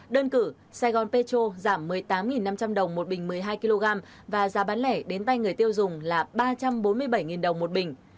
đơn cử sài gòn petro giảm một mươi tám năm trăm linh đồng một bình một mươi hai kg và giá bán lẻ đến tay người tiêu dùng là ba trăm bốn mươi bảy đồng một bình